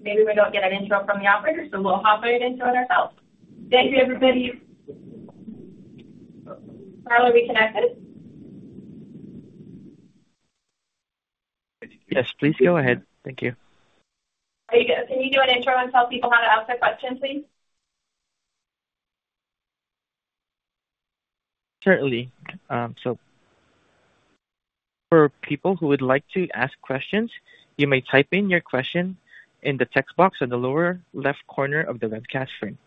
All right. Maybe we don't get an intro from the operator, so we'll hop right into it ourselves. Thank you, everybody. Are we connected? Yes, please go ahead. Thank you. Are you good? Can you do an intro and tell people how to ask a question, please? Certainly. So for people who would like to ask questions, you may type in your question in the text box on the lower left corner of the webcast screen.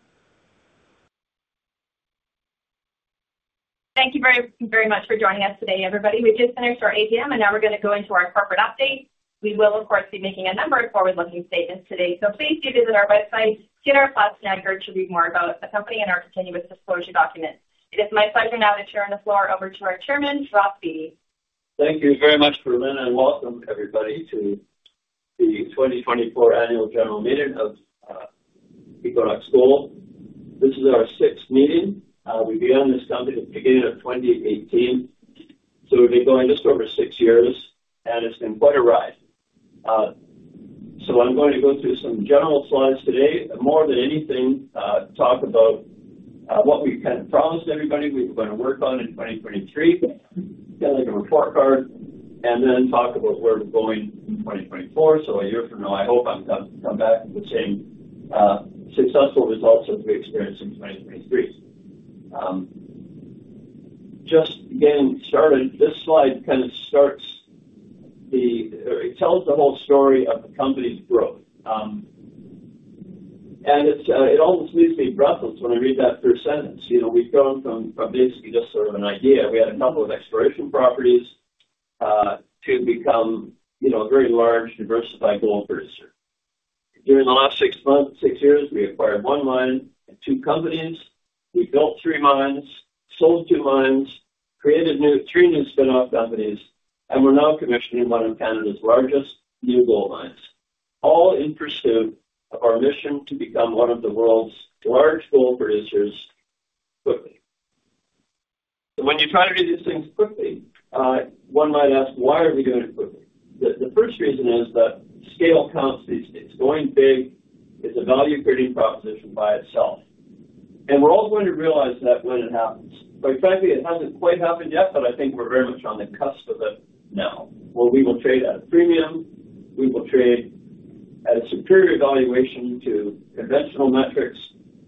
Thank you very, very much for joining us today, everybody. We've just finished our AGM, and now we're going to go into our corporate update. We will, of course, be making a number of forward-looking statements today, so please do visit our website, see our prospectus to read more about the company and our continuous disclosure document. It is my pleasure now to turn the floor over to our Chairman, Ross Beaty. Thank you very much, Rhylin, and welcome, everybody, to the 2024 Annual General Meeting of Equinox Gold. This is our sixth meeting. We began this company at the beginning of 2018, so we've been going just over 6 years, and it's been quite a ride. So I'm going to go through some general slides today. More than anything, talk about what we kind of promised everybody we were gonna work on in 2023, like a report card, and then talk about where we're going in 2024. So a year from now, I hope I'm come back with the same successful results that we experienced in 2023. Just getting started, this slide kind of starts. It tells the whole story of the company's growth. And it's, it almost leaves me breathless when I read that first sentence. You know, we've gone from basically just sort of an idea. We had a number of exploration properties to become, you know, a very large, diversified gold producer. During the last 6 months, 6 years, we acquired 1 mine and 2 companies. We built 3 mines, sold 2 mines, created 3 new spin-off companies, and we're now commissioning 1 of Canada's largest new gold mines, all in pursuit of our mission to become one of the world's large gold producers quickly. So when you try to do these things quickly, one might ask, why are we doing it quickly? The first reason is that scale counts these days. Going big is a value-creating proposition by itself, and we're all going to realize that when it happens. But frankly, it hasn't quite happened yet, but I think we're very much on the cusp of it now, where we will trade at a premium, we will trade at a superior valuation to conventional metrics,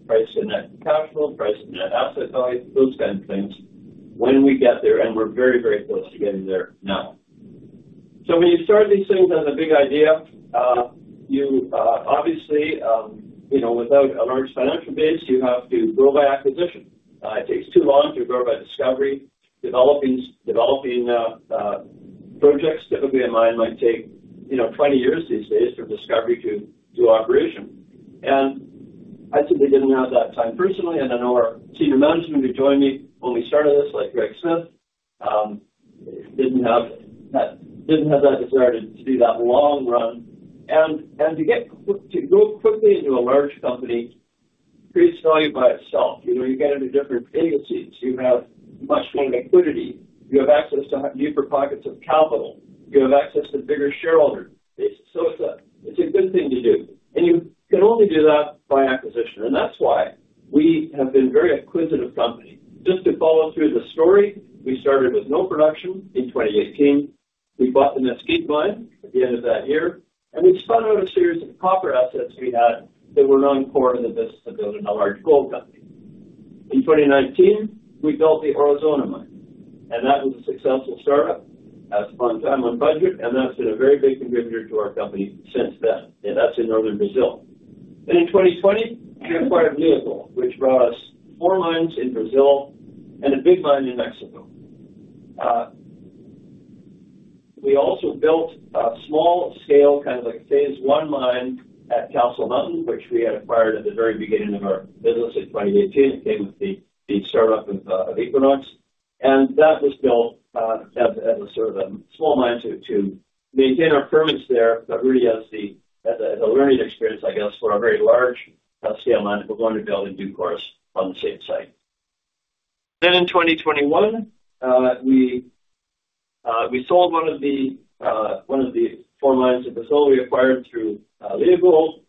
price and net capital, price and net asset value, those kind of things, when we get there, and we're very, very close to getting there now. So when you start these things as a big idea, you, obviously, you know, without a large financial base, you have to grow by acquisition. It takes too long to grow by discovery. Developing projects, typically a mine, might take, you know, 20 years these days from discovery to operation. And I typically didn't have that time personally, and I know our senior management who joined me when we started this, like Greg Smith, didn't have that, didn't have that desire to do that long run. And to grow quickly into a large company creates value by itself. You know, you get into different indices, you have much more liquidity, you have access to deeper pockets of capital, you have access to bigger shareholder base. So it's a good thing to do, and you can only do that by acquisition, and that's why we have been a very acquisitive company. Just to follow through the story, we started with no production in 2018. We bought the Mesquite Mine at the end of that year, and we spun out a series of copper assets we had that were non-core to the business of building a large gold company. In 2019, we built the Aurizona Mine, and that was a successful startup. That's on time, on budget, and that's been a very big contributor to our company since then, and that's in northern Brazil. In 2020, we acquired Leagold, which brought us four mines in Brazil and a big mine in Mexico. We also built a small scale, kind of like a phase one mine at Castle Mountain, which we had acquired at the very beginning of our business in 2018. It came with the startup of Equinox, and that was built as a sort of a small mine to maintain our presence there, but really as a learning experience, I guess, for our very large scale mine that we're going to build in due course on the same site. Then in 2021, we sold one of the four mines in Brazil we acquired through Leagold.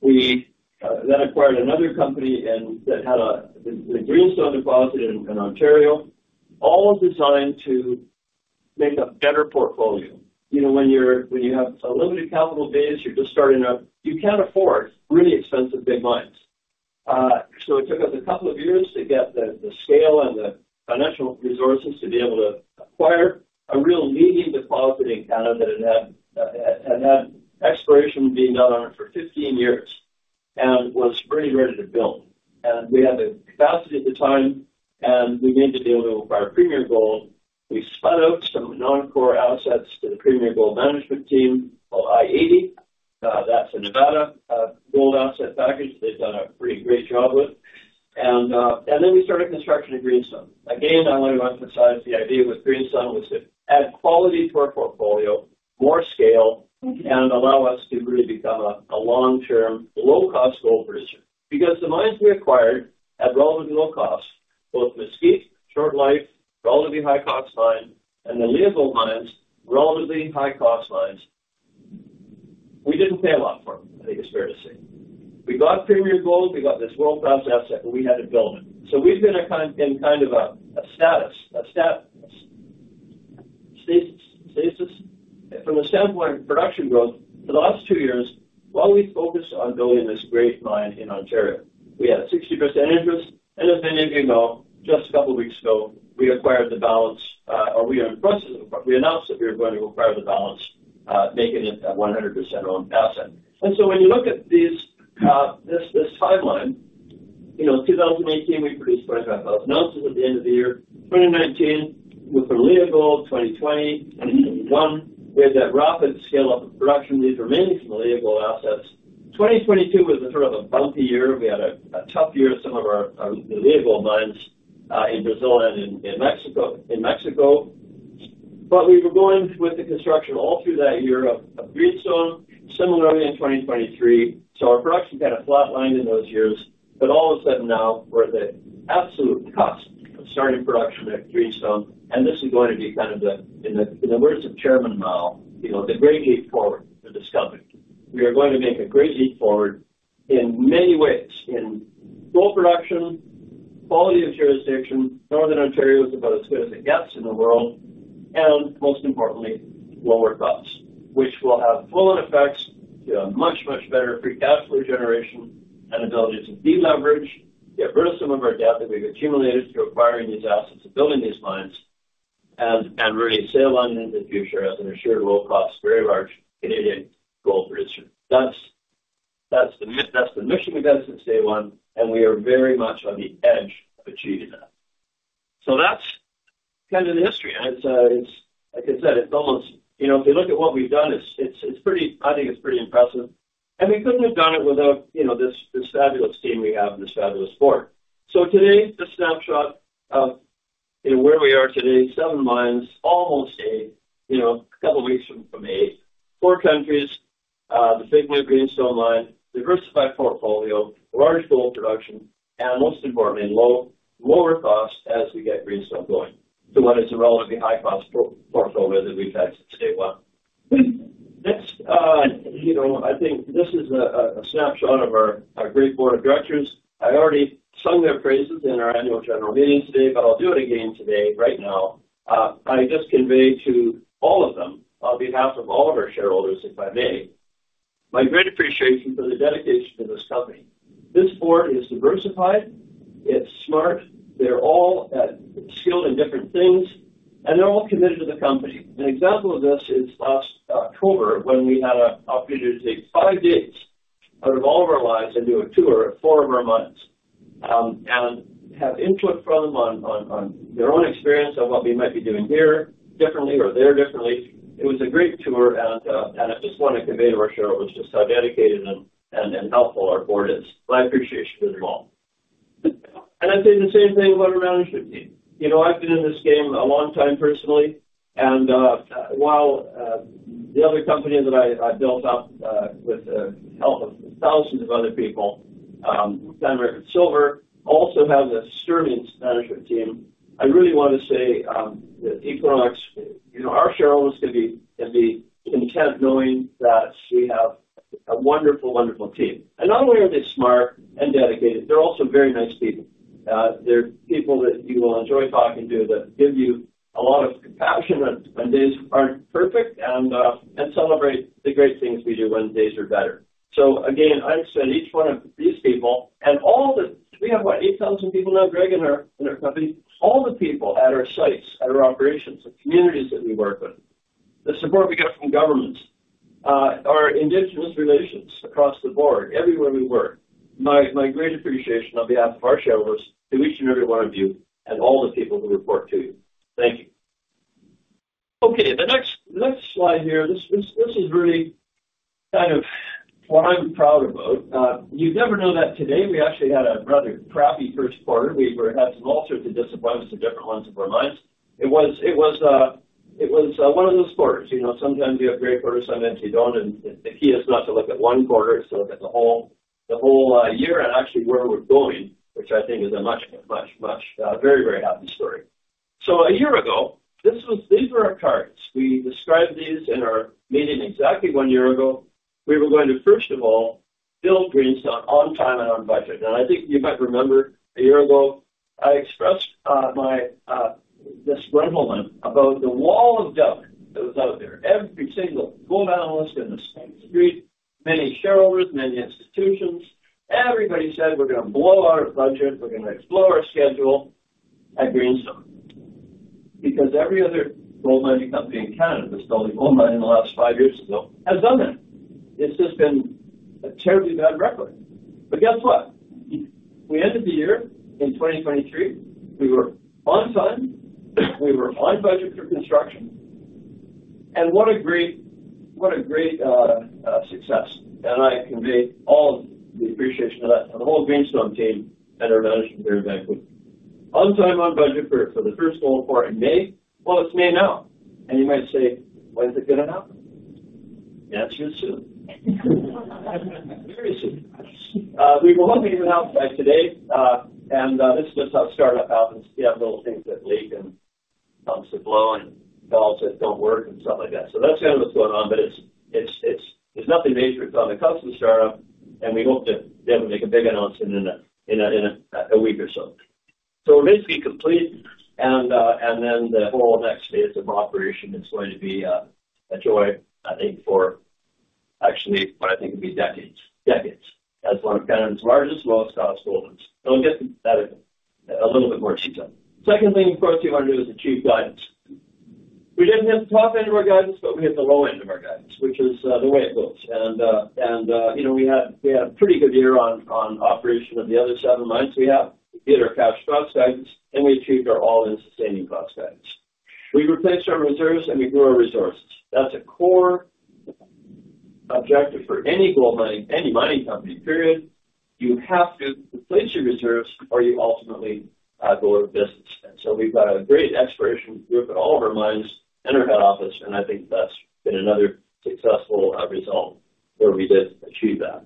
We then acquired another company and... That had the Greenstone deposit in Ontario, all designed to make a better portfolio. You know, when you have a limited capital base, you're just starting out, you can't afford really expensive big mines. So it took us a couple of years to get the scale and the financial resources to be able to acquire a real leading deposit in Canada that had had exploration being done on it for 15 years and was pretty ready to build. We had the capacity at the time, and we began to be able to acquire Premier Gold. We spun out some non-core assets to the Premier Gold management team, called i-80. That's a Nevada gold asset package they've done a pretty great job with. Then we started construction at Greenstone. Again, I want to emphasize, the idea with Greenstone was to add quality to our portfolio, more scale, and allow us to really become a long-term, low-cost gold producer. Because the mines we acquired at relatively low cost-... Both Mesquite, short life, relatively high-cost mine, and the Leagold mines, relatively high-cost mines. We didn't pay a lot for them, I think it's fair to say. We got Premier Gold, we got this world-class asset, but we had to build it. So we've been in kind of a stasis from the standpoint of production growth for the last 2 years, while we focused on building this great mine in Ontario. We had a 60% interest, and as many of you know, just a couple of weeks ago, we acquired the balance or we are in the process of acquiring. We announced that we are going to acquire the balance, making it a 100% owned asset. So when you look at these, this timeline, you know, in 2018, we produced 25,000 ounces at the end of the year. 2019, we went from Leagold, 2020, 2021, we had that rapid scale-up of production, these remaining from the Leagold assets. 2022 was a sort of a bumpy year. We had a tough year at some of our Leagold mines in Brazil and in Mexico. But we were going with the construction all through that year of Greenstone, similarly in 2023. So our production kind of flatlined in those years, but all of a sudden now, we're at the absolute cusp of starting production at Greenstone, and this is going to be kind of the, in the, in the words of Chairman Mao, you know, the great leap forward for this company. We are going to make a great leap forward in many ways, in gold production, quality of jurisdiction. Northern Ontario is about as good as it gets in the world, and most importantly, lower costs, which will have flow-on effects, give much, much better free cash flow generation and ability to deleverage, get rid of some of our debt that we've accumulated through acquiring these assets and building these mines, and, and really sail on into the future as an assured low-cost, very large Canadian gold producer. That's the mission we've had since day one, and we are very much on the edge of achieving that. So that's kind of the history, and it's... Like I said, it's almost, you know, if you look at what we've done, it's pretty, I think it's pretty impressive, and we couldn't have done it without, you know, this fabulous team we have and this fabulous board. So today, the snapshot of, you know, where we are today, seven mines, almost eight, you know, a couple of weeks from eight. Four countries, the big new Greenstone mine, diversified portfolio, large gold production, and most importantly, lower costs as we get Greenstone going to what is a relatively high-cost portfolio that we've had since day one. Next, you know, I think this is a snapshot of our great board of directors. I already sung their praises in our annual general meeting today, but I'll do it again today, right now. I just convey to all of them, on behalf of all of our shareholders, if I may, my great appreciation for the dedication to this company. This board is diversified, it's smart, they're all skilled in different things, and they're all committed to the company. An example of this is last October, when we had an opportunity to take five days out of all of our lives and do a tour of four of our mines, and have input from them on their own experience of what we might be doing here differently or there differently. It was a great tour, and I just want to convey to our shareholders just how dedicated and helpful our board is. My appreciation to you all. And I'd say the same thing about our management team. You know, I've been in this game a long time personally, and while the other company that I built up with the help of thousands of other people, Pan American Silver, also has a sterling management team. I really want to say that Equinox, you know, our shareholders can be content knowing that we have a wonderful, wonderful team. And not only are they smart and dedicated, they're also very nice people. They're people that you will enjoy talking to, that give you a lot of compassion when days aren't perfect, and celebrate the great things we do when days are better. So again, I'd say each one of these people and all the... We have what, 8,000 people now, Greg, in our company? All the people at our sites, at our operations, the communities that we work with, the support we get from governments, our indigenous relations across the board, everywhere we work. My great appreciation on behalf of our shareholders, to each and every one of you and all the people who report to you. Thank you. Okay, the next slide here, this is really kind of what I'm proud about. You'd never know that today we actually had a rather crappy first quarter. We had some all sorts of disappointments at different ones of our mines. It was one of those quarters, you know, sometimes you have great quarters, sometimes you don't, and the key is not to look at one quarter, it's to look at the whole, the whole year and actually where we're going, which I think is a much, much, much very, very happy story. So a year ago, this was—these were our cards. We described these in our meeting exactly one year ago. We were going to, first of all, build Greenstone on time and on budget. And I think you might remember a year ago, I expressed my disgruntlement about the wall of doubt that was out there. Every single gold analyst in the Street, many shareholders, many institutions, everybody said, we're gonna blow our budget, we're gonna explode our schedule at Greenstone. Because every other gold mining company in Canada that's built a gold mine in the last five years or so has done that. It's just been a terribly bad record. But guess what? We ended the year in 2023, we were on time, we were on budget for construction, and what a great, what a great success. And I convey all of the appreciation of that to the whole Greenstone team and our management here at Vancouver. On time, on budget for the first gold quarter in May. Well, it's May now, and you might say, "When's it gonna happen?" The answer is soon. Very soon. We will hope to be announced by today, and this is just how startup happens. You have little things that leak and pumps that blow and valves that don't work, and stuff like that. So that's kind of what's going on, but it's nothing major. It's on the custom startup, and we hope to be able to make a big announcement in a week or so. So we're basically complete, and then the whole next phase of operation is going to be a joy, I think, for actually what I think will be decades. Decades. That's one of Canada's largest, lowest cost gold mines. It'll get better, a little bit more cheaper. Secondly, of course, you want to do is achieve guidance. We didn't hit the top end of our guidance, but we hit the low end of our guidance, which is, the way it goes. And, you know, we had a pretty good year on operation of the other seven mines. We have hit our cash cost guidance, and we achieved our all-in sustaining cost guidance. We replaced our reserves, and we grew our resources. That's a core objective for any gold mining, any mining company, period. You have to replace your reserves or you ultimately, go out of business. And so we've got a great exploration group at all of our mines and our head office, and I think that's been another successful, result where we did achieve that.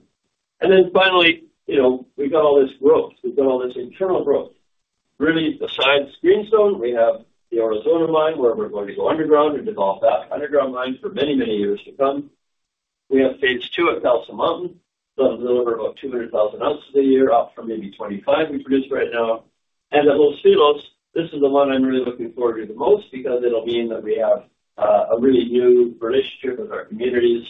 And then finally, you know, we've got all this growth. We've got all this internal growth. Really, besides Greenstone, we have the Aurizona mine, where we're going to go underground and develop that underground mine for many, many years to come. We have Phase 2 at Castle Mountain. That'll deliver about 200,000 ounces a year, up from maybe 25 we produce right now. And at Los Filos, this is the one I'm really looking forward to the most because it'll mean that we have a really new relationship with our communities.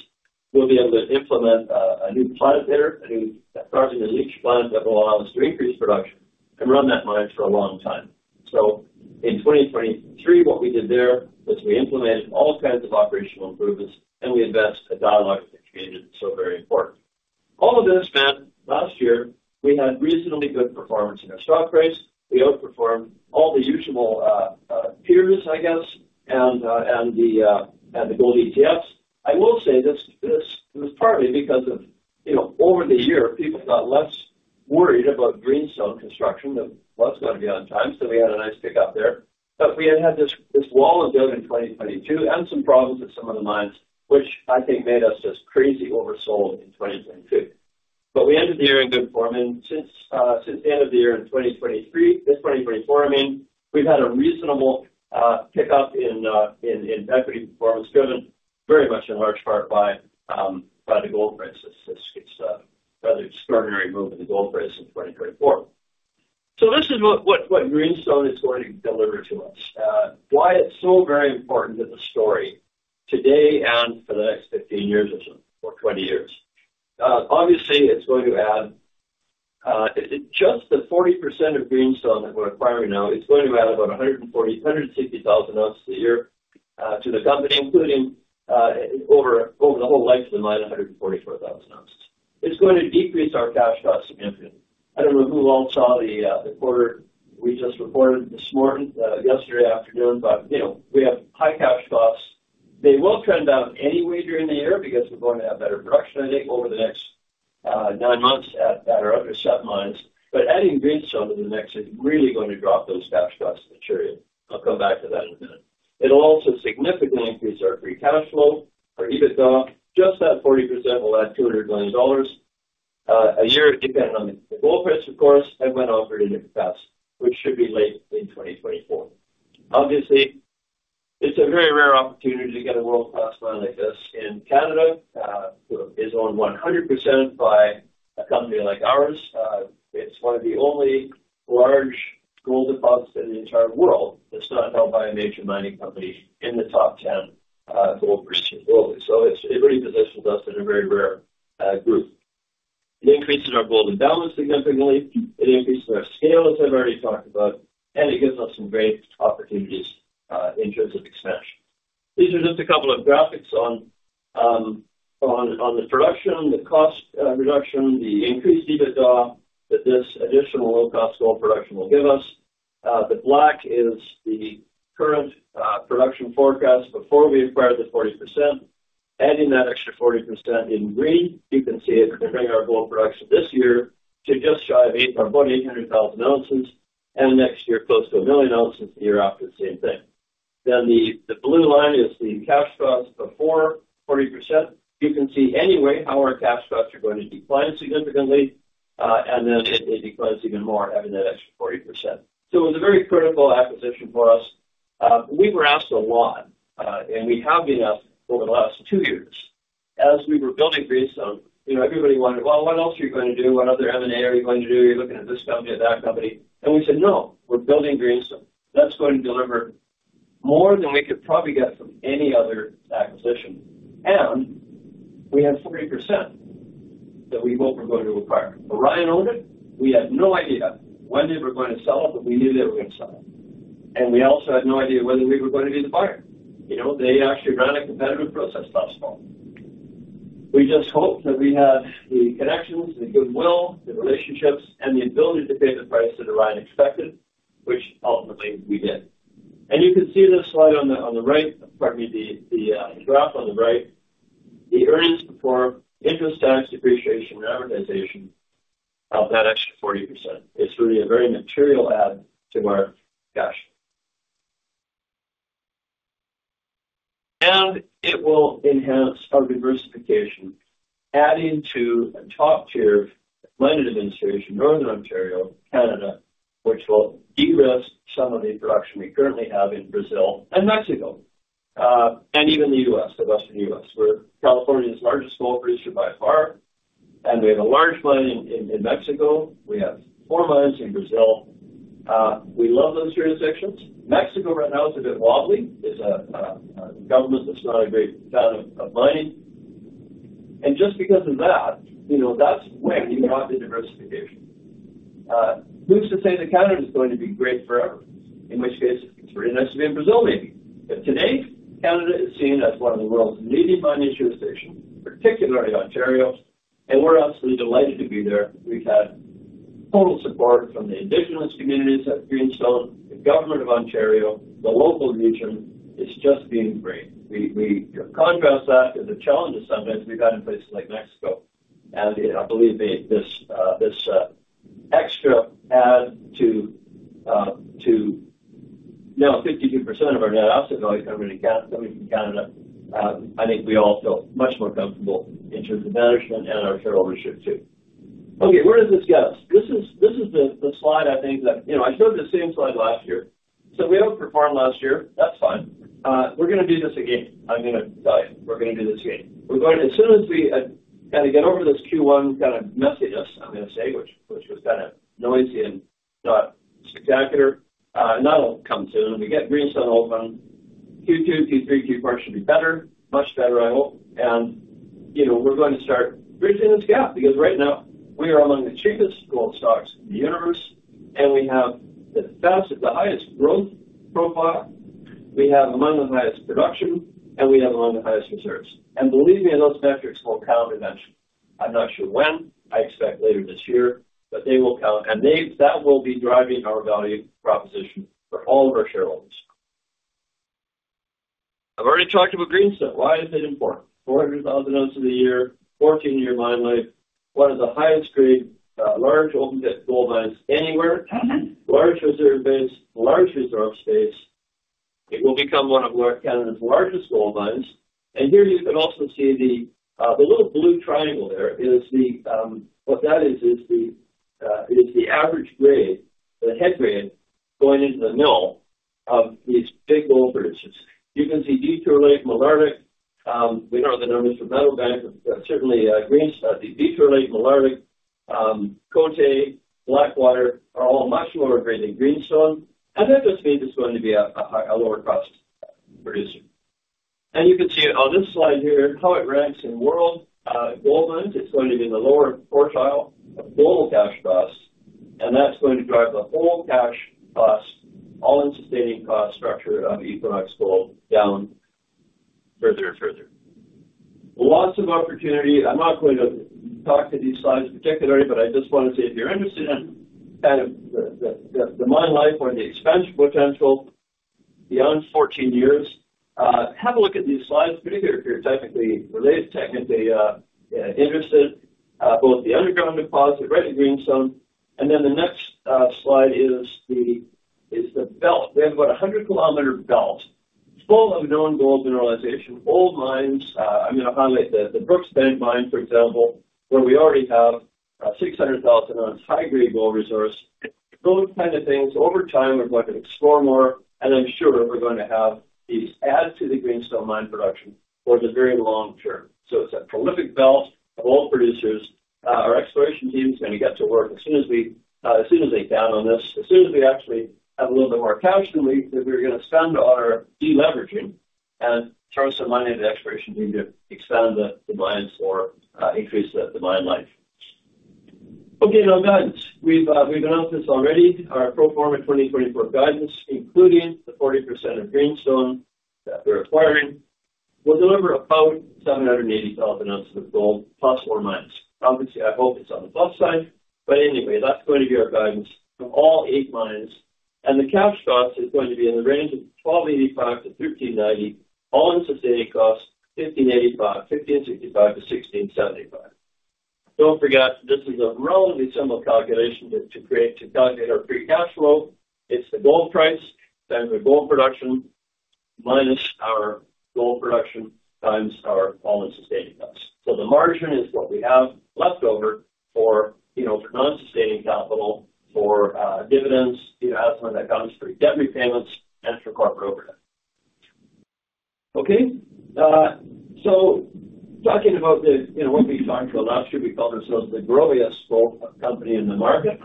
We'll be able to implement a new plant there, a new carbon leach plant that will allow us to increase production and run that mine for a long time. So in 2023, what we did there was we implemented all kinds of operational improvements, and we advanced a dialogue with the community, so very important. All of this meant last year, we had reasonably good performance in our stock price. We outperformed all the usual peers, I guess, and the gold ETFs. I will say this, this was partly because of, you know, over the year, people got less worried about Greenstone construction, that well, it's gonna be on time, so we had a nice pick up there. But we had had this, this wall of debt in 2022 and some problems with some of the mines, which I think made us just crazy oversold in 2022. But we ended the year in good form, and since the end of the year in 2023, this 2024, I mean, we've had a reasonable pick up in equity performance, driven very much in large part by the gold price. It's rather extraordinary move in the gold price in 2024. So this is what Greenstone is going to deliver to us, why it's so very important to the story today and for the next 15 years or so, or 20 years. Obviously, it's going to add just the 40% of Greenstone that we're acquiring now; it's going to add about 140-160 thousand ounces a year to the company, including over the whole life of the mine, 144,000 ounces. It's going to decrease our cash costs significantly. I don't know who all saw the quarter we just reported this morning, yesterday afternoon, but you know, we have high cash costs. They will trend down anyway during the year because we're going to have better production, I think, over the next 9 months at our other mines. But adding Greenstone to the mix is really going to drop those cash costs material. I'll come back to that in a minute. It'll also significantly increase our free cash flow. Our EBITDA, just that 40% will add $200 million a year, depending on the gold price, of course, and when operating in the past, which should be late in 2024. Obviously, it's a very rare opportunity to get a world-class mine like this in Canada, is owned 100% by a company like ours. It's one of the only large gold deposits in the entire world that's not held by a major mining company in the top 10, gold producers globally. So it's, it really positions us in a very rare, group. It increases our gold endowment significantly, it increases our scale, as I've already talked about, and it gives us some great opportunities, in terms of expansion. These are just a couple of graphics on the production, the cost reduction, the increased EBITDA, that this additional low-cost gold production will give us. The black is the current production forecast before we acquire the 40%. Adding that extra 40% in green, you can see it, bringing our gold production this year to just shy of 800,000 or about 800,000 ounces, and next year, close to 1,000,000 ounces, the year after, the same thing. Then the blue line is the cash costs before 40%. You can see anyway, how our cash costs are going to decline significantly, and then it, it declines even more, adding that extra 40%. So it was a very critical acquisition for us. We were asked a lot, and we have been asked over the last two years. As we were building Greenstone, you know, everybody wondered, "Well, what else are you going to do? What other M&A are you going to do? You're looking at this company or that company." And we said, "No, we're building Greenstone." That's going to deliver more than we could probably get from any other acquisition. And we have 40% that we hope we're going to acquire. Orion owned it. We had no idea one day we're going to sell it, but we knew they were going to sell it. We also had no idea whether we were going to be the buyer. You know, they actually ran a competitive process last fall. We just hoped that we had the connections, the goodwill, the relationships, and the ability to pay the price that Orion expected, which ultimately we did. You can see this slide on the right, pardon me, the graph on the right, the earnings before interest, tax, depreciation, and amortization of that extra 40%. It's really a very material add to our cash. And it will enhance our diversification, adding to a top-tier mining jurisdiction, Northern Ontario, Canada, which will de-risk some of the production we currently have in Brazil and Mexico, and even the U.S., the Western U.S. We're California's largest gold producer by far, and we have a large mine in Mexico. We have four mines in Brazil. We love those jurisdictions. Mexico right now is a bit wobbly. It's a government that's not a great fan of mining. And just because of that, you know, that's when you want the diversification. Who's to say that Canada is going to be great forever? In which case, it's pretty nice to be in Brazil, maybe. But today, Canada is seen as one of the world's leading mining jurisdictions, particularly Ontario, and we're absolutely delighted to be there. We've had total support from the Indigenous communities at Greenstone, the government of Ontario, the local region, it's just been great. We contrast that to the challenges sometimes we've had in places like Mexico, and I believe this addition to now 52% of our net asset value coming from Canada. I think we all feel much more comfortable in terms of management and our shareholdership, too. Okay, where does this get us? This is the slide I think that. You know, I showed the same slide last year. So we overperformed last year. That's fine. We're gonna do this again. I'm gonna tell you, we're gonna do this again. We're going to, as soon as we kind of get over this Q1 kind of messiness, I'm gonna say, which was kind of noisy and not spectacular, and that'll come soon. We get Greenstone open, Q2, Q3, Q4 should be better, much better, I hope. And, you know, we're going to start bridging this gap, because right now we are among the cheapest gold stocks in the universe, and we have the fastest, the highest growth profile, we have among the highest production, and we have among the highest reserves. And believe me, on those metrics, we'll count eventually. I'm not sure when, I expect later this year, but they will count, and they - that will be driving our value proposition for all of our shareholders. I've already talked about Greenstone. Why is it important? 400,000 ounces a year, 14-year mine life, one of the highest grade, large open-pit gold mines anywhere, large reserve base, large reserve space. It will become one of Canada's largest gold mines. And here you can also see the little blue triangle there. What that is is the average grade, the head grade, going into the mill of these big gold mines. You can see Detour Lake, Malartic. We know they're known as the Meadowbank, but certainly, the Detour Lake, Malartic, Côté, Blackwater are all much lower grade than Greenstone, and that just means it's going to be a high, lower cost producer. And you can see on this slide here how it ranks in world gold mines. It's going to be in the lower quartile of gold cash costs, and that's going to drive the whole cash cost, all-in sustaining cost structure of Equinox Gold down further and further. Lots of opportunity. I'm not going to talk to these slides particularly, but I just want to say if you're interested in kind of the mine life or the expansion potential beyond 14 years, have a look at these slides, particularly if you're technically related, technically interested, both the underground deposit right at Greenstone, and then the next slide is the belt. We have about a 100-kilometer belt full of known gold mineralization, old mines. I'm gonna highlight the Brookbank mine, for example, where we already have 600,000-ounce high-grade gold resource. Those kind of things, over time, we're going to explore more, and I'm sure we're going to have these add to the Greenstone mine production for the very long term. So it's a prolific belt of gold producers. Our exploration team is going to get to work as soon as we, as soon as they get down on this, as soon as we actually have a little bit more cash relief that we're gonna spend on our de-leveraging and throw some money at the exploration team to expand the mines or, increase the mine life. Okay, now guidance. We've, we've announced this already. Our pro forma 2024 guidance, including the 40% of Greenstone that we're acquiring, will deliver about 780,000 ounces of gold, ±. Obviously, I hope it's on the plus side, but anyway, that's going to be our guidance for all 8 mines. And the cash costs is going to be in the range of $1,285-$1,390, all-in sustaining costs $1,585, $1,565-$1,675. Don't forget, this is a relatively simple calculation to calculate our free cash flow. It's the gold price, times the gold production, minus our gold production, times our all-in sustaining costs. So the margin is what we have left over for, you know, for non-sustaining capital, for dividends, you know, that comes through debt repayments, and for corporate overhead. Okay, so talking about the, you know, what we talked about last year, we called ourselves the growliest gold company in the market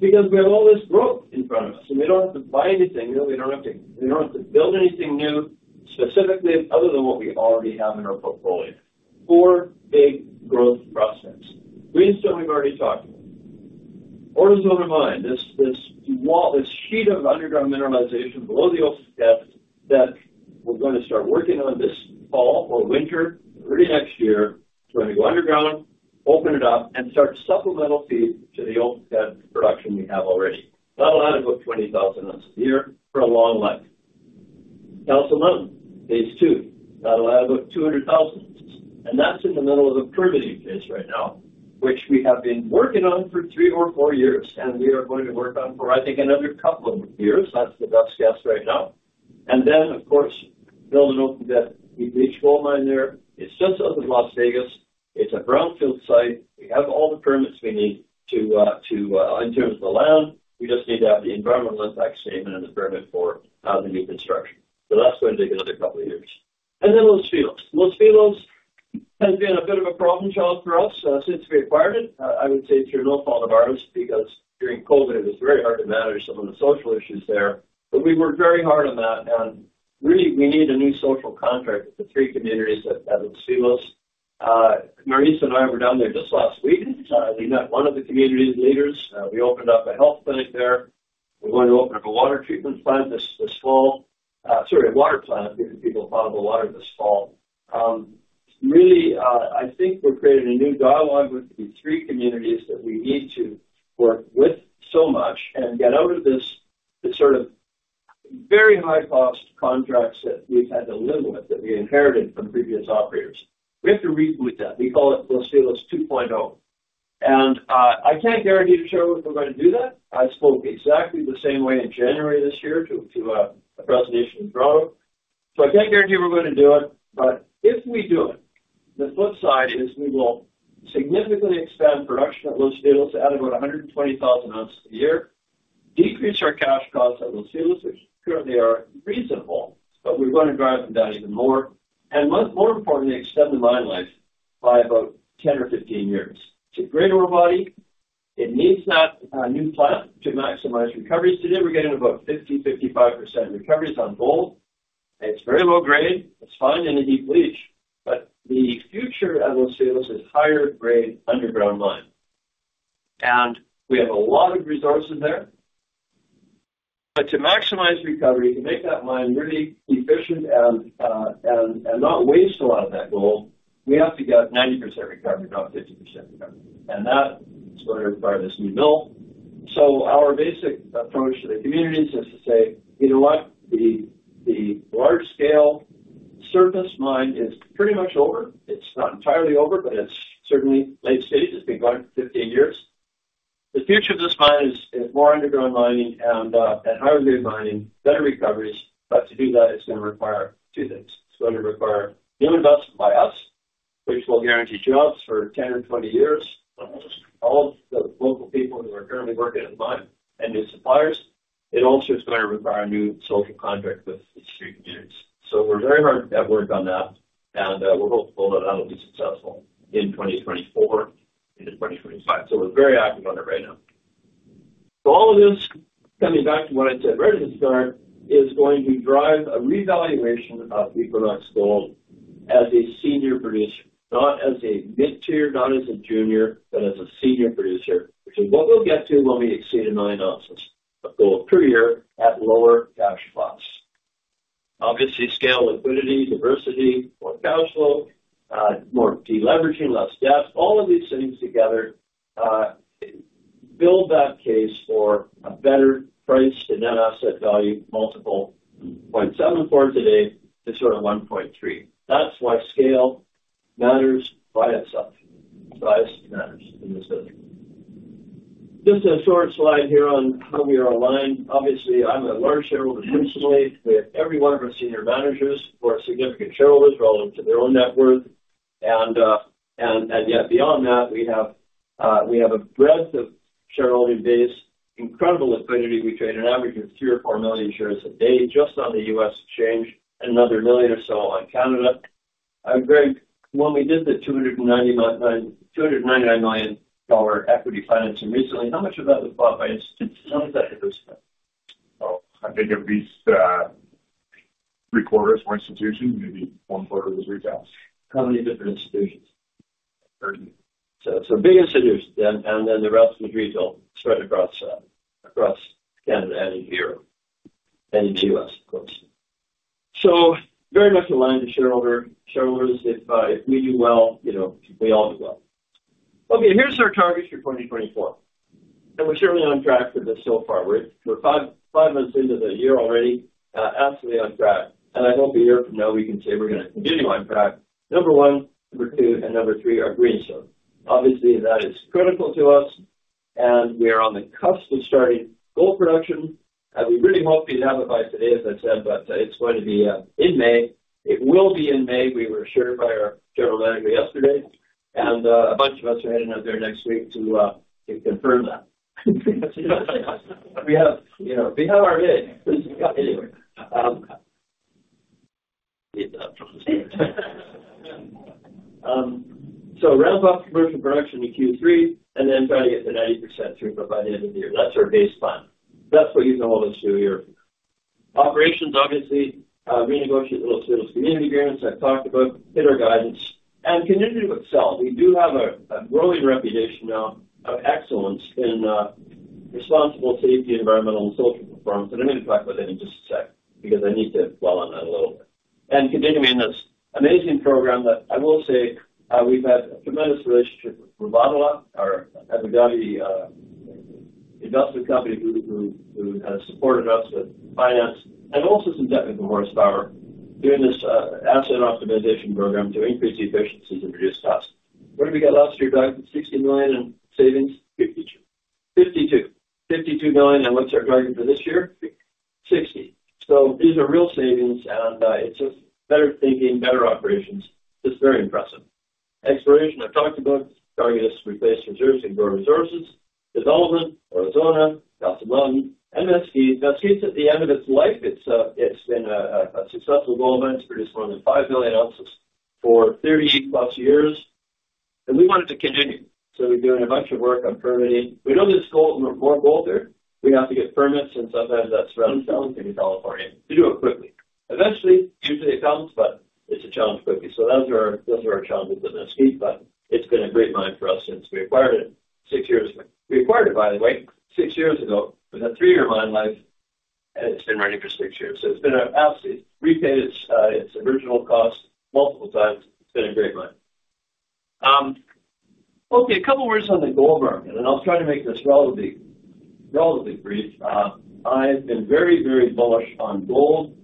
because we have all this growth in front of us, and we don't have to buy anything new. We don't have to, we don't have to build anything new, specifically other than what we already have in our portfolio. Four big growth prospects. Greenstone, we've already talked about. Aurizona Mine, this wall, this sheet of underground mineralization below the old pit, that we're going to start working on this fall or winter, early next year. We're going to go underground, open it up, and start supplemental feed to the old pit production we have already. That'll add about 20,000 ounces a year for a long life. Castle Mountain, phase two, that'll add about 200,000. And that's in the middle of a permitting phase right now, which we have been working on for 3 or 4 years, and we are going to work on for, I think, another couple of years. That's the best guess right now. And then, of course, build an open pit, the Castle Mountain gold mine there. It's just out of Las Vegas. It's a brownfield site. We have all the permits we need to in terms of the land, we just need to have the environmental impact statement and the permit for the new construction. So that's going to take another couple of years. And then Los Filos. Los Filos has been a bit of a problem child for us since we acquired it. I would say it's through no fault of ours, because during COVID, it was very hard to manage some of the social issues there. But we worked very hard on that, and really, we need a new social contract with the three communities at Los Filos. Maurice and I were down there just last week. We met one of the community's leaders. We opened up a health clinic there. We're going to open up a water treatment plant this fall, sorry, a water plant, giving people bottled water this fall. Really, I think we're creating a new dialogue with the three communities that we need to work with so much and get out of this sort of very high-cost contracts that we've had to live with, that we inherited from previous operators. We have to reboot that. We call it Los Filos 2.0. And, I can't guarantee to show if we're going to do that. I spoke exactly the same way in January this year to a presentation in Toronto. So I can't guarantee we're going to do it, but if we do it, the flip side is we will significantly expand production at Los Filos to add about 120,000 ounces a year, decrease our cash costs at Los Filos, which currently are reasonable, but we're going to drive them down even more, and most, more importantly, extend the mine life by about 10 or 15 years. It's a great ore body. It needs that new plant to maximize recoveries. Today, we're getting about 50%-55% recoveries on gold. It's very low grade. It's fine in a deep leach, but the future of Los Filos is higher grade underground mine. And we have a lot of resources there. But to maximize recovery, to make that mine really efficient and not waste a lot of that gold, we have to get 90% recovery, not 50% recovery. And that is going to require this new mill. So our basic approach to the communities is to say, "You know what? The large scale surface mine is pretty much over. It's not entirely over, but it's certainly late stage. It's been going for 15 years. The future of this mine is more underground mining and higher grade mining, better recoveries. But to do that, it's going to require two things: It's going to require new investment by us, which will guarantee jobs for 10 or 20 years, almost all the local people who are currently working in the mine and new suppliers. It also is going to require a new social contract with the three communities." So we're very hard at work on that, and, we're hopeful that that will be successful in 2024 into 2025. So we're very active on it right now. So all of this, coming back to what I said right at the start, is going to drive a revaluation of Equinox Gold as a senior producer, not as a mid-tier, not as a junior, but as a senior producer, which is what we'll get to when we exceed 1 million ounces of gold per year at lower cash costs. Obviously, scale, liquidity, diversity, more cash flow, more deleveraging, less debt, all of these things together, build that case for a better price to net asset value multiple of 0.74 today to sort of 1.3. That's why scale matters by itself. Size matters in this business. Just a short slide here on how we are aligned. Obviously, I'm a large shareholder personally. We have every one of our senior managers who are significant shareholders, relative to their own net worth. And, and, and yet beyond that, we have, we have a breadth of shareholding base, incredible liquidity. We trade an average of 3 or 4 million shares a day just on the U.S. exchange, another million or so on Canada. I'm very—When we did the $299 million equity financing recently, how much of that was bought by institutions? How was that distributed? Oh, I think at least three quarters were institutional, maybe one quarter was retail. How many different institutions? 30. So big institutions then, and then the rest is retail spread across Canada and Europe, and U.S., of course. So very much aligned to shareholders. If we do well, you know, we all do well. Okay, here's our targets for 2024, and we're certainly on track for this so far. We're five months into the year already, absolutely on track. And I hope a year from now, we can say we're gonna continue on track. Number one, number two, and number three are Greenstone. Obviously, that is critical to us, and we are on the cusp of starting gold production. And we really hope to have it by today, as I said, but it's going to be in May. It will be in May, we were assured by our general manager yesterday, and, a bunch of us are heading up there next week to, to confirm that. We have, you know, we have our day. Anyway, so ramp up commercial production in Q3, and then try to get to 90% through by the end of the year. That's our base plan. That's what you can hold us to here. Operations, obviously, renegotiate Los Filos community agreements. I've talked about hit our guidance and continue to excel. We do have a, a growing reputation now of excellence in, responsible safety, environmental, and social performance, and I'm going to talk about that in just a sec because I need to dwell on that a little bit. Continue in this amazing program that I will say, we've had a tremendous relationship with Bravada, our value mining investment company who has supported us with finance and also some technical horsepower during this asset optimization program to increase the efficiencies and reduce costs. What have we got last year, guys? $60 million in savings? $52 million. $52 million. $52 million, and what's our target for this year? $60 million $60 million. So these are real savings, and it's just better thinking, better operations. It's very impressive. Exploration, I've talked about. Target is to replace reserves and grow resources. Development, Aurizona, Castle Mountain, Mesquite. Now, Mesquite's at the end of its life. It's been a successful gold mine. It's produced more than 5 million ounces for 30+ years, and we want it to continue. So we're doing a bunch of work on permitting. We know there's gold in Moore Boulder. We have to get permits, and sometimes that's a real challenge in California to do it quickly. Eventually, usually it comes, but it's a challenge quickly. So those are our challenges at Mesquite, but it's been a great mine for us since we acquired it 6 years ago. We acquired it, by the way, 6 years ago. We had a three-year mine life, and it's been running for six years. So it's been absolutely repaid its original cost multiple times. It's been a great mine. Okay, a couple of words on the gold market, and I'll try to make this relatively brief. I've been very bullish on gold.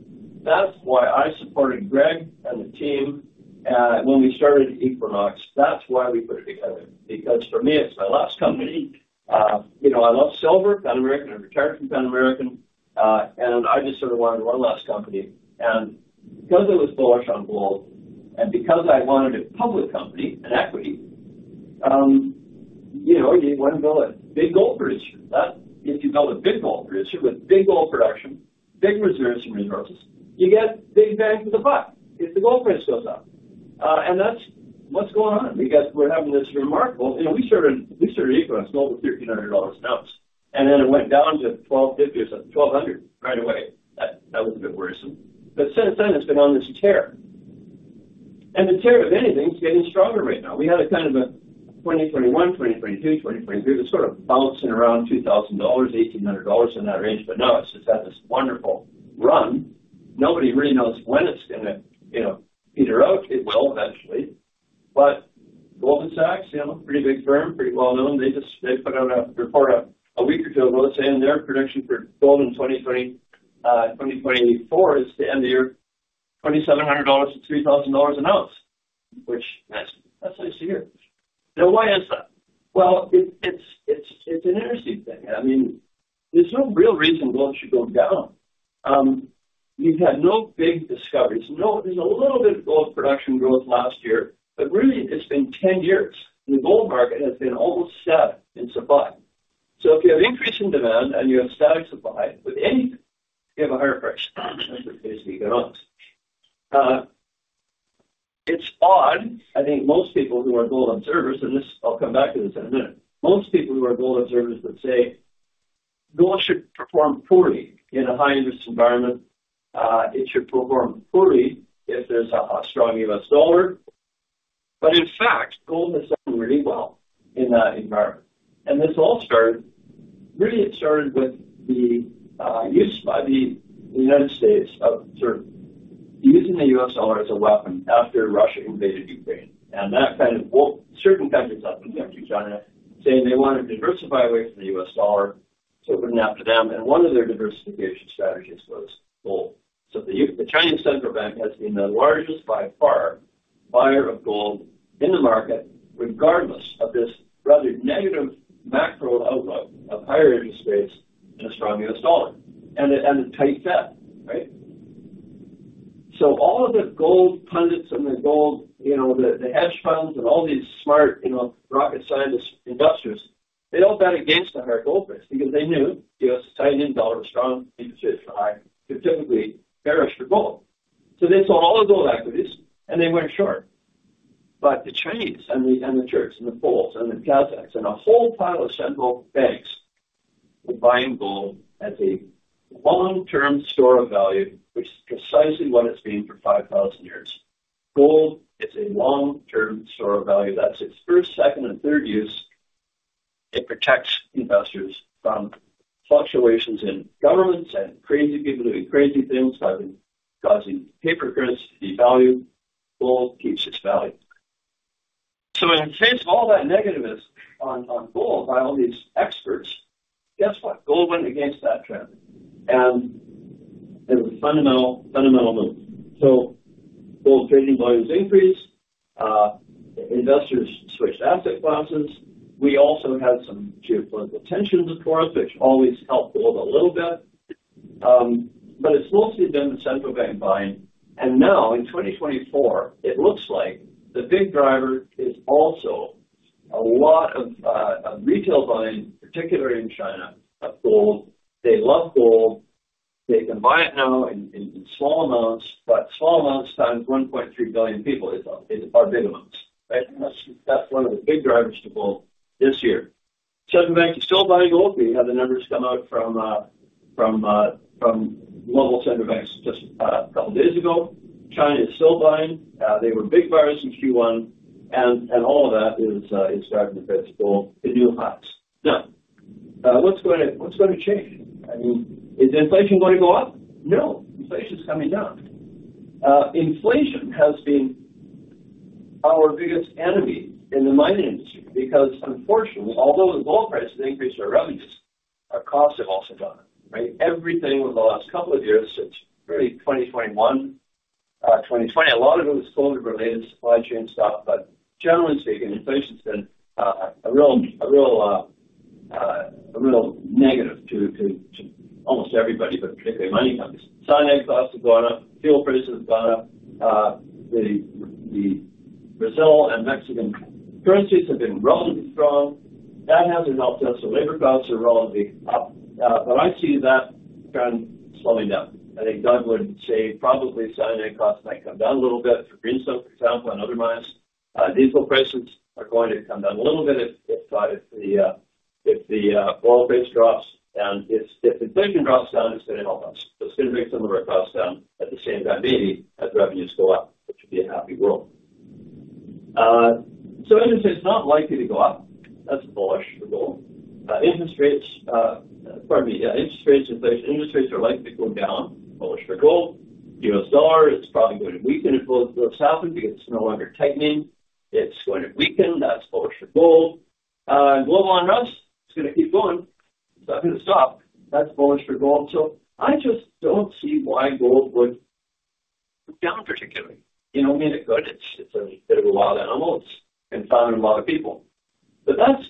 That's why I supported Greg and the team when we started Equinox. That's why we put it together, because for me, it's my last company. You know, I love silver, Pan American. I retired from Pan American, and I just sort of wanted one last company. And because I was bullish on gold, and because I wanted a public company, an equity, you know, you want to build a big gold producer. That if you build a big gold producer with big gold production, big reserves, and resources, you get big bang for the buck if the gold price goes up. And that's what's going on because we're having this remarkable... You know, we started Equinox Gold with $1,300 an ounce, and then it went down to $1,250 or something, $1,200 right away. That, that was a bit worrisome. But since then, it's been on this tear, and the tear, if anything, is getting stronger right now. We had a kind of a 2021, 2022, 2023, it was sort of bouncing around $2,000, $1,800 in that range, but now it's just had this wonderful run. Nobody really knows when it's gonna, you know, peter out. It will eventually, but Goldman Sachs, you know, pretty big firm, pretty well known, they just they put out a report a week or two ago, saying their prediction for gold in 2024 is to end the year $2,700-$3,000 an ounce, which that's, that's nice to hear. Now, why is that? Well, it's an interesting thing. I mean, there's no real reason gold should go down. We've had no big discoveries, no... There's a little bit of gold production growth last year, but really, it's been 10 years, and the gold market has been almost static in supply. So if you have increase in demand and you have static supply, with anything, you have a higher price. That's basically economics. It's odd, I think most people who are gold observers, and this, I'll come back to this in a minute. Most people who are gold observers would say gold should perform poorly in a high interest environment. It should perform poorly if there's a strong U.S. dollar. But in fact, gold has done really well in that environment. And this all started. Really, it started with the use by the United States of sort of using the U.S. dollar as a weapon after Russia invaded Ukraine. And that kind of woke certain countries up, India and China, saying they wanted to diversify away from the U.S. dollar. So it wouldn't happen to them, and one of their diversification strategies was gold. So the Chinese Central Bank has been the largest, by far, buyer of gold in the market, regardless of this rather negative macro outlook of higher interest rates and a strong U.S. dollar, and a tight Fed, right? So all of the gold pundits and the gold, you know, the hedge funds and all these smart, you know, rocket scientist investors, they all bet against the higher gold price because they knew, you know, the U.S. dollar was strong, interest rates are high, they're typically bearish for gold. So they sold all the gold equities, and they went short. But the Chinese, and the Turks, and the Poles, and the Kazakhs, and a whole pile of central banks were buying gold as a long-term store of value, which is precisely what it's been for 5,000 years. Gold is a long-term store of value. That's its first, second, and third use. It protects investors from fluctuations in governments and crazy people doing crazy things, like causing paper currency to devalue. Gold keeps its value. So in the face of all that negativist on gold by all these experts, guess what? Gold went against that trend, and it was a fundamental, fundamental move. So gold trading volumes increased, investors switched asset classes. We also had some geopolitical tensions of course, which always helped gold a little bit. But it's mostly been the central bank buying. And now in 2024, it looks like the big driver is also a lot of, of retail buying, particularly in China, of gold. They love gold. They can buy it now in small amounts, but small amounts times 1.3 billion people is a big amount, right? That's one of the big drivers to gold this year. Central banks are still buying gold. We had the numbers come out from global central banks just a couple of days ago. China is still buying. They were big buyers in Q1, and all of that is driving the price of gold to new highs. Now, what's gonna change? I mean, is inflation going to go up? No, inflation is coming down. Inflation has been our biggest enemy in the mining industry, because unfortunately, although the gold prices increase our revenues, our costs have also gone up, right? Everything over the last couple of years, since really 2021, 2020, a lot of it was COVID-related supply chain stuff. But generally speaking, inflation has been a real negative to almost everybody, but particularly mining companies. Cyanide costs have gone up, fuel prices have gone up. The Brazil and Mexican currencies have been relatively strong. That hasn't helped us. So labor costs are relatively up, but I see that trend slowing down. I think Doug would say probably cyanide costs might come down a little bit for Greenstone, for example, and other mines. Diesel prices are going to come down a little bit if the oil price drops, and if inflation drops down, it's gonna help us. It's gonna bring some of our costs down at the same time, maybe, as revenues go up, which would be a happy world. So interest rates not likely to go up. That's bullish for gold. Interest rates, pardon me, yeah, interest rates, inflation, interest rates are likely to go down, bullish for gold. U.S. dollar is probably going to weaken if gold goes up because it's no longer tightening. It's going to weaken. That's bullish for gold. And global unrest, it's gonna keep going. It's not gonna stop. That's bullish for gold. So I just don't see why gold would go down, particularly. You know, I mean, it could. It's a bit of a wild animal and so are a lot of people. But that's...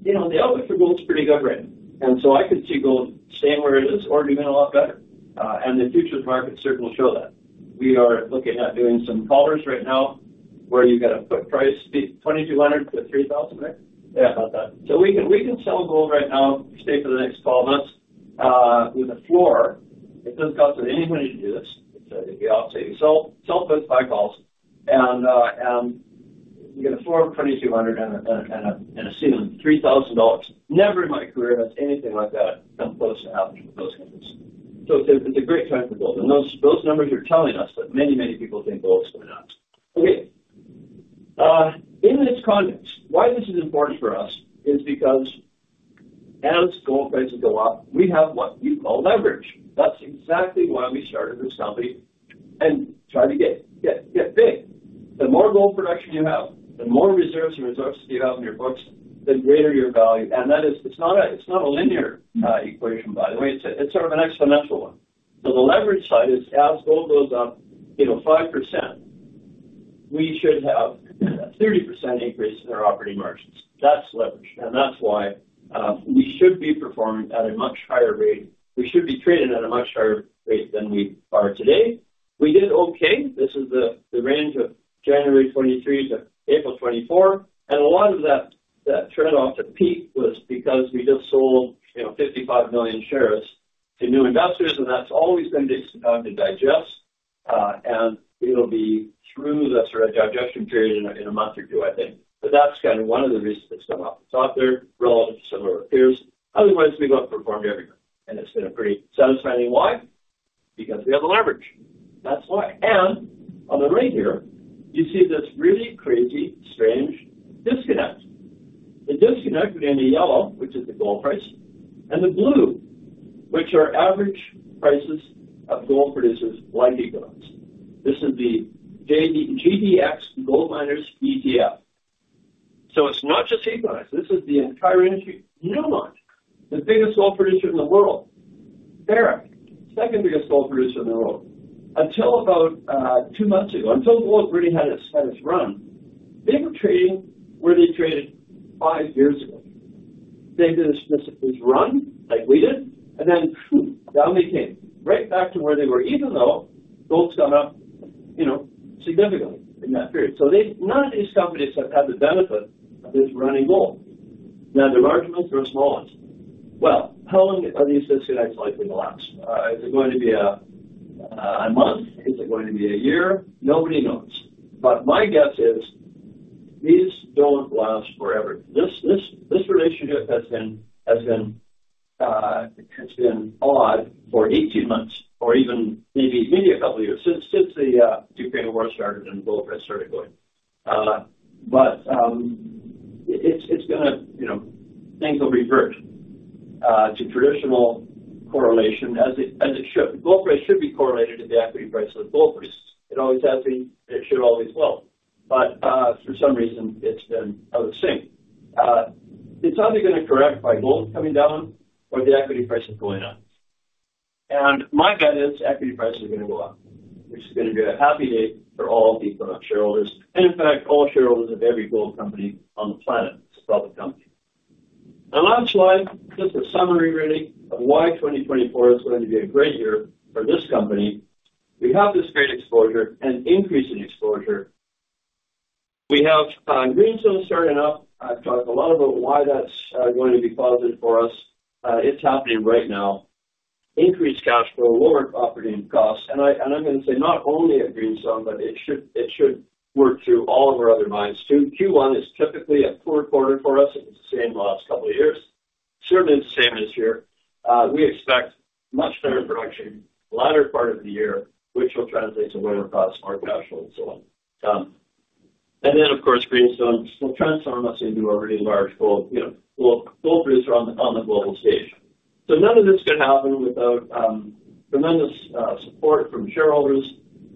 You know, the outlook for gold is pretty good right now, and so I could see gold staying where it is or even a lot better, and the futures market certainly show that. We are looking at doing some collars right now, where you get a put price, be $2,200-$3,000, Nick? Yeah, about that. So we can, we can sell gold right now, stay for the next 12 months, with a floor. It doesn't cost anyone to do this. It's a... So sell, sell put, buy calls, and, you get a floor of $2,200 and a, and a, and a ceiling of $3,000. Never in my career has anything like that come close to happening with gold prices. So it's a great time for gold, and those numbers are telling us that many people think gold is coming up. Okay, in this context, why this is important for us is because as gold prices go up, we have what we call leverage. That's exactly why we started this company and tried to get, get, get big. The more gold production you have, the more reserves and resources you have in your books, the greater your value. And that is... It's not a linear equation, by the way, it's sort of an exponential one. So the leverage side is as gold goes up, you know, 5%, we should have a 30% increase in our operating margins. That's leverage, and that's why we should be performing at a much higher rate. We should be trading at a much higher rate than we are today. We did okay. This is the range of January 2023 to April 2024, and a lot of that trend off the peak was because we just sold, you know, 55 million shares to new investors, and that's always been difficult to digest, and it'll be through that sort of digestion period in a month or two, I think. But that's kind of one of the reasons it's come up. It's out there relative to some of our peers. Otherwise, we've outperformed everyone, and it's been a pretty satisfying. Why? Because we have the leverage. That's why. And on the right here, you see this really crazy, strange disconnect. The disconnect between the yellow, which is the gold price, and the blue, which are average prices of gold producers like Agnico Eagle. This is the GDX Gold Miners ETF. So it's not just Agnico Eagle. This is the entire industry. Newmont, the biggest gold producer in the world. Barrick, second biggest gold producer in the world. Until about two months ago, until the gold really had its, had its run, they were trading where they traded five years ago. They did this, this, this run, like we did, and then, poof, down they came, right back to where they were, even though gold's gone up, you know, significantly in that period. So none of these companies have had the benefit of this running gold, neither large ones or small ones. Well, how long are these disconnects likely to last? Is it going to be a month? Is it going to be a year? Nobody knows. But my guess is, these don't last forever. This relationship has been odd for 18 months or even maybe a couple of years, since the Ukraine war started and gold price started going. But it's gonna, you know, things will revert to traditional correlation as it should. Gold price should be correlated to the equity price of the gold prices. It always has been. It should always will. But for some reason, it's been out of sync. It's only gonna correct by gold coming down or the equity prices going up. And my bet is equity prices are gonna go up, which is gonna be a happy day for all Agnico Eagle shareholders, and in fact, all shareholders of every gold company on the planet, public company. The last slide, just a summary really, of why 2024 is going to be a great year for this company. We have this great exposure and increase in exposure. We have, Greenstone starting up. I've talked a lot about why that's, going to be positive for us. It's happening right now. Increased cash flow, lower operating costs, and I, and I'm gonna say not only at Greenstone, but it should, it should work through all of our other mines, too. Q1 is typically a poor quarter for us. It's the same last couple of years. Certainly, the same this year. We expect much better production latter part of the year, which will translate to lower costs, more cash flow, and so on. Then, of course, Greenstone will transform us into a really large gold, you know, gold, gold producer on the global stage. So none of this could happen without tremendous support from shareholders,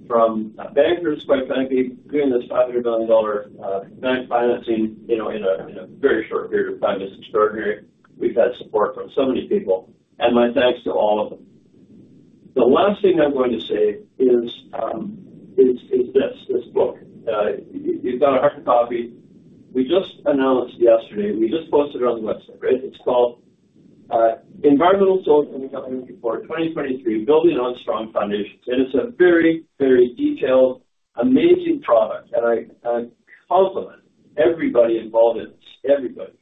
from bankers, quite frankly, doing this $500 million bank financing, you know, in a very short period of time is extraordinary. We've had support from so many people, and my thanks to all of them. The last thing I'm going to say is this book. You've got a hard copy. We just announced yesterday, we just posted it on the website, right? It's called Environmental, Social, and Governance Report 2023, Building on Strong Foundations. And it's a very, very detailed, amazing product, and I compliment everybody involved in this, everybody.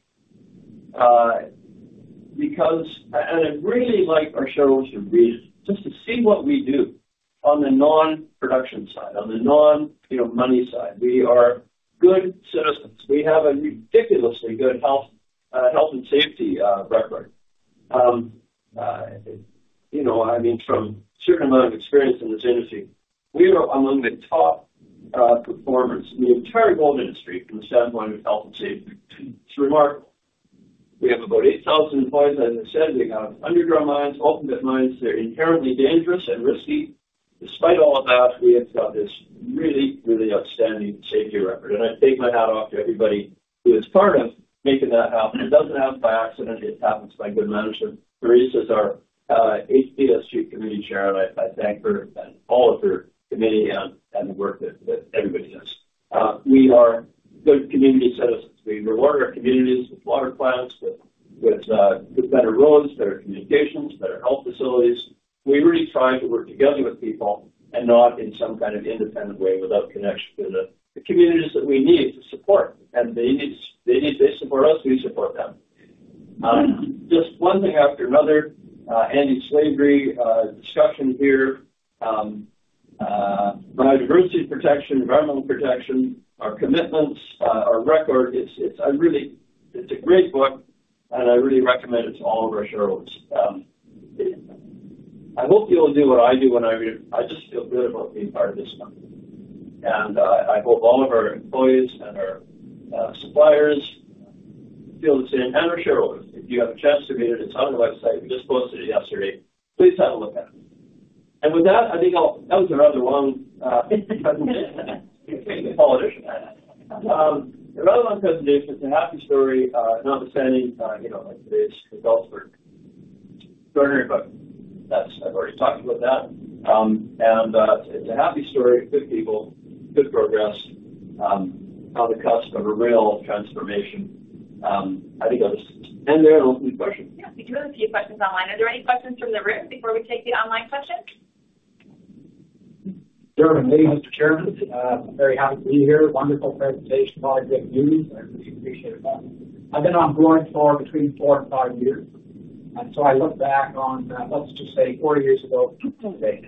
Because... I'd really like our shareholders to read it, just to see what we do on the non-production side, on the non, you know, money side. We are good citizens. We have a ridiculously good health and safety record. You know, I mean, from a certain amount of experience in this industry, we are among the top performers in the entire gold industry from the standpoint of health and safety. It's remarkable. We have about 8,000 employees, as I said. We have underground mines, open-pit mines. They're inherently dangerous and risky. Despite all of that, we have got this really, really outstanding safety record, and I take my hat off to everybody who is part of making that happen. It doesn't happen by accident, it happens by good management. Teresa is our ESG committee chair, and I thank her and all of her committee, and the work that everybody does. We are good community citizens. We reward our communities with water plants, with better roads, better communications, better health facilities. We really try to work together with people and not in some kind of independent way, without connection to the communities that we need to support. And they need - they need. They support us, we support them. Just one thing after another, anti-slavery discussion here, biodiversity protection, environmental protection, our commitments, our record. It's a really great book, and I really recommend it to all of our shareholders. I hope you'll do what I do when I read it. I just feel good about being part of this company, and I hope all of our employees and our suppliers feel the same, and our shareholders. If you have a chance to read it, it's on the website. We just posted it yesterday. Please have a look at it. And with that, I think I'll... That was a rather long presentation. A politician. A rather long presentation. It's a happy story, notwithstanding, you know, today's results are extraordinary, but that's. I've already talked about that. And it's a happy story, good people, good progress, on the cusp of a real transformation. I think I'll just end there and open to questions. Yeah, we do have a few questions online. Are there any questions from the room before we take the online questions? Good evening, Mr. Chairman. I'm very happy to be here. Wonderful presentation, lot of good news, and I appreciate it that. I've been on board for between 4 and 5 years, and so I look back on, let's just say 4 years ago today,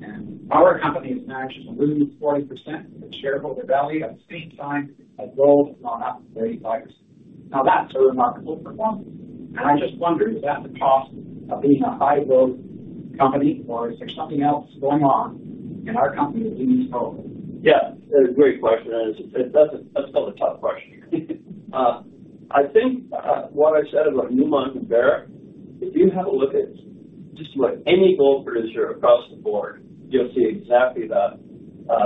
and our company has managed to lose 40% of its shareholder value. At the same time, our gold has gone up 35%. Now, that's a remarkable performance, and I just wonder, is that the cost of being a high growth company, or is there something else going on in our company that we need to know? Yeah, a great question, and it's, it's still a tough question. I think what I said about Newmont and Barrick, if you have a look at just about any gold producer across the board, you'll see exactly that,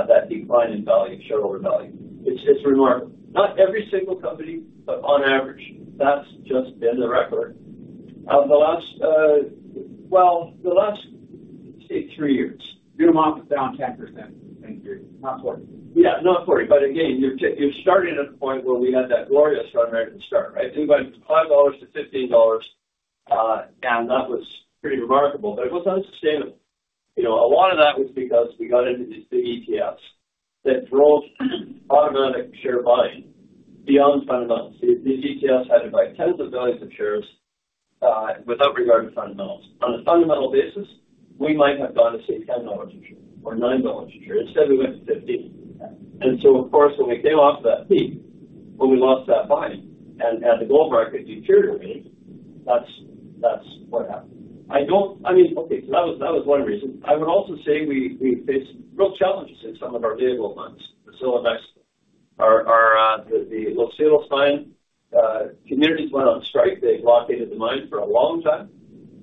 that decline in value, shareholder value. It's, it's remarkable. Not every single company, but on average, that's just been the record. The last... Well, the last, say, three years. Newmont is down 10% this year, not 40. Yeah, not forty, but again, you're starting at a point where we had that glorious run right at the start, right? It went from $5 to $15, and that was pretty remarkable, but it was unsustainable. You know, a lot of that was because we got into these big ETFs that drove automatic share buying beyond fundamentals. These, these ETFs had to buy tens of billions of shares, without regard to fundamentals. On a fundamental basis, we might have gone to, say, $10 a share or $9 a share. Instead, we went to fifteen. Yeah. Of course, when we came off that peak, when we lost that buying and the gold market deteriorated, that's what happened. I don't... I mean, okay, so that was one reason. I would also say we faced real challenges in some of our big gold mines, our Los Filos mine in Mexico. Communities went on strike. They blockaded the mine for a long time.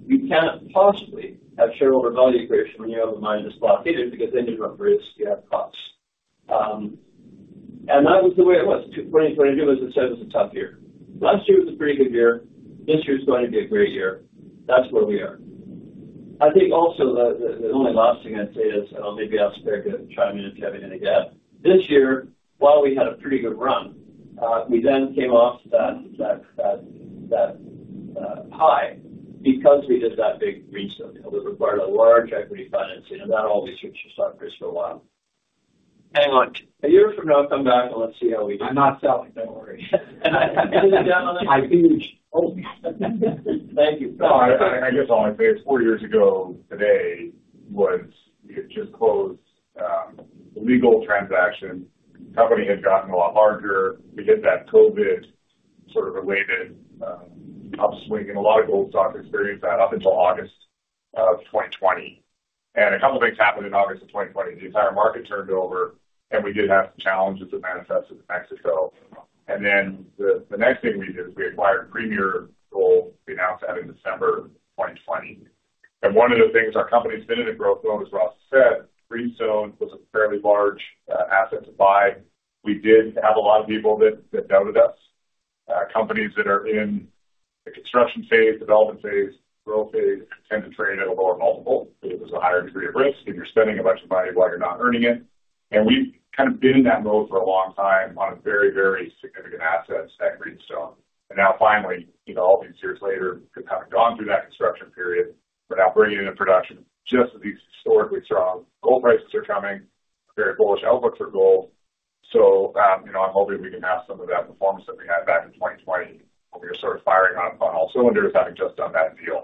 You can't possibly have shareholder value creation when you have a mine that's blockaded because then you run risk, you have costs. And that was the way it was. 2022, as I said, it was a tough year. Last year was a pretty good year. This year's going to be a great year. That's where we are. I think also the only last thing I'd say is, and I'll maybe ask Greg to chime in, if you have anything to add, this year, while we had a pretty good run, we then came off that high because we did that big raise. It was a part of a large equity financing, and that always hurts your stock price for a while. Hang on. A year from now, come back and let's see how we do. I'm not selling, don't worry. I think- Thank you. No, I, I guess I'll only say it's four years ago today. We had just closed the Leagold transaction. The company had gotten a lot larger. We hit that COVID sort of related upswing, and a lot of gold stocks experienced that up until August of 2020. A couple of things happened in August of 2020. The entire market turned over, and we did have some challenges that manifested in Mexico. Then the next thing we did is we acquired Premier Gold. We announced that in December of 2020. One of the things our company's been in a growth mode, as Ross said. Greenstone was a fairly large asset to buy. We did have a lot of people that doubted us. Companies that are in the construction phase, development phase, growth phase, tend to trade at a lower multiple because there's a higher degree of risk, and you're spending a bunch of money while you're not earning it. And we've kind of been in that mode for a long time on a very, very significant asset at Greenstone. And now, finally, you know, all these years later, just kind of gone through that construction period. We're now bringing it into production just as these historically strong gold prices are coming, very bullish outlooks for gold. So, you know, I'm hoping we can have some of that performance that we had back in 2020, when we were sort of firing on all cylinders, having just done that deal.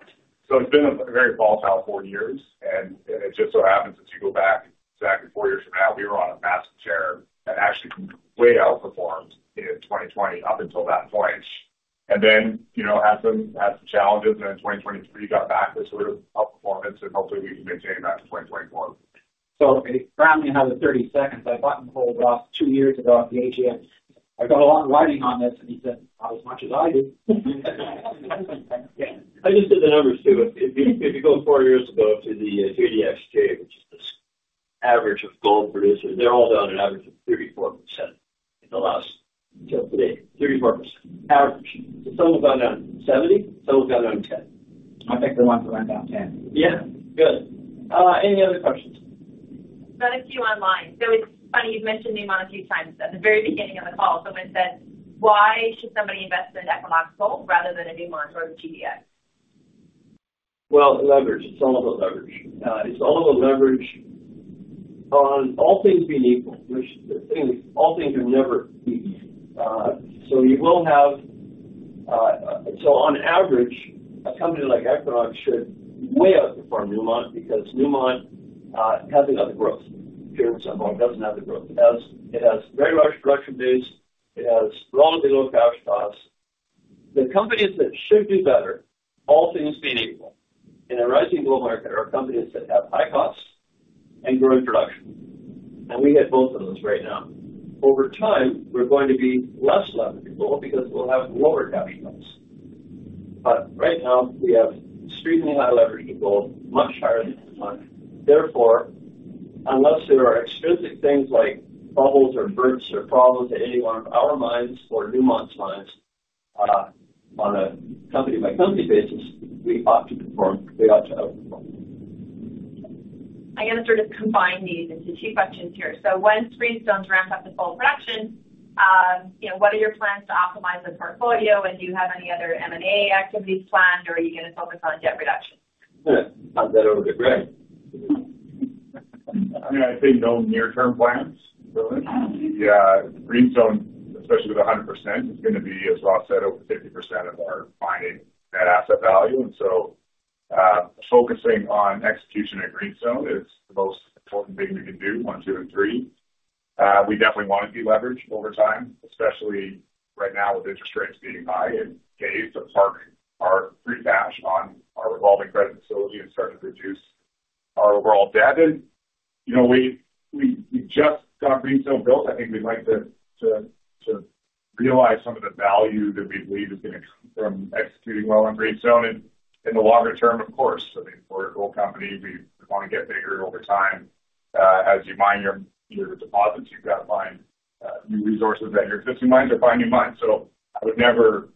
So it's been a very volatile four years, and it just so happens, if you go back exactly four years from now, we were on a massive tear and actually way outperformed in 2020, up until that point. And then, you know, had some challenges, and in 2023, got back to sort of outperformance, and hopefully we can maintain that in 2024. So if Brownlee has 30 seconds, I buttonholed off 2 years ago at the AGM. I got a lot of writing on this, and he said, "Not as much as I do." Yeah. I just did the numbers, too. If you, if you go 4 years ago to the GDXJ, which is this average of gold producers, they're all down an average of 34% in the last until today, 34%, average. Some have gone down 70, some have gone down 10. I think the ones that went down 10. Yeah, good. Any other questions? Got a few online. So it's funny, you've mentioned Newmont a few times. At the very beginning of the call, someone said, "Why should somebody invest in Equinox Gold rather than a Newmont or a GDX? Well, leverage. It's all about leverage. It's all about leverage on all things being equal, which the thing is, all things are never equal. So on average, a company like Equinox should way outperform Newmont because Newmont has another growth period, so it doesn't have the growth. It has, it has very large production base, it has relatively low cash costs. The companies that should do better, all things being equal, in a rising gold market, are companies that have high costs and growing production. And we hit both of those right now. Over time, we're going to be less leveraged to gold because we'll have lower cash costs. But right now, we have extremely high leverage to gold, much higher than Newmont. Therefore, unless there are extrinsic things like bubbles or bursts or problems at any one of our mines or Newmont's mines, on a company by company basis, we ought to perform, we ought to outperform. I'm going to sort of combine these into two questions here. So once Greenstone's ramped up to full production, you know, what are your plans to optimize the portfolio? And do you have any other M&A activities planned, or are you going to focus on debt reduction? Pass that over to Greg. I mean, I'd say no near-term plans, really. Greenstone, especially with 100%, is going to be, as Ross said, over 50% of our mining net asset value. And so, focusing on execution at Greenstone is the most important thing we can do, one, two, and three. We definitely want to de-leverage over time, especially right now with interest rates being high, and pay to park our free cash on our revolving credit facility and start to reduce our overall debt. And, you know, we just got Greenstone built. I think we'd like to realize some of the value that we believe is going to come from executing well on Greenstone. And in the longer term, of course, I mean, we're a gold company. We want to get bigger over time. As you mine your, your deposits, you've got to mine new resources at your existing mines or find new mines. So I would never,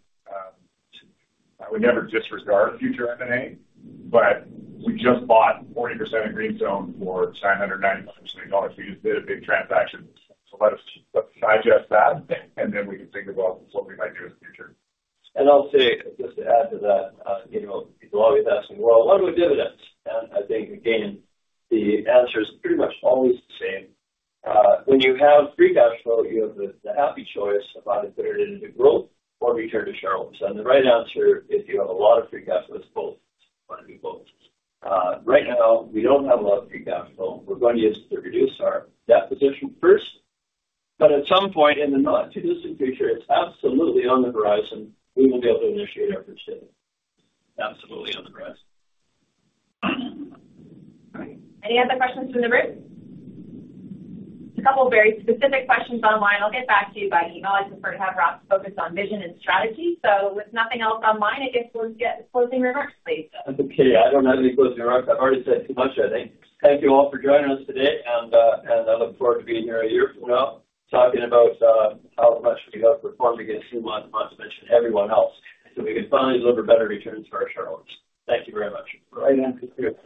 I would never disregard future M&A, but we just bought 40% of Greenstone for $990 million. We just did a big transaction, so let us digest that, and then we can think about what we might do in the future. I'll say, just to add to that, you know, people are always asking, "Well, what about dividends?" And I think, again, the answer is pretty much always the same. When you have free cash flow, you have the happy choice about either put it into growth or return to shareholders. And the right answer, if you have a lot of free cash flow is both. Want to do both. Right now, we don't have a lot of free cash flow. We're going to use it to reduce our debt position first, but at some point in the not-too-distant future, it's absolutely on the horizon. We will be able to initiate our dividend. Absolutely on the horizon. All right. Any other questions from the group? A couple of very specific questions online. I'll get back to you by email. I prefer to have Ross focus on vision and strategy. So with nothing else online, I guess we'll get closing remarks, please. Okay. I don't have any closing remarks. I've already said too much, I think. Thank you all for joining us today, and, and I look forward to being here a year from now, talking about, how much we have performed against Newmont, not to mention everyone else, so we can finally deliver better returns to our shareholders. Thank you very much. Right, thank you.